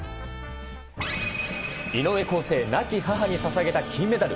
井上康生、亡き母にささげた金メダル。